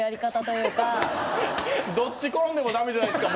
どっち転んでもダメじゃないですか。